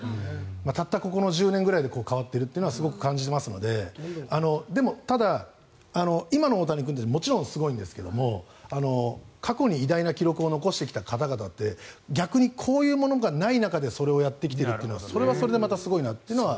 たったここの１０年ぐらいで変わっているというのはすごく感じますのででも、ただ、今の大谷君ってもちろんすごいんですが過去に偉大な記録を残してきた方々って逆にこういうものがない中でそれをやってきているというのはそれはそれでまたすごいなと。